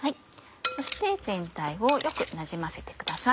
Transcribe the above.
そして全体をよくなじませてください。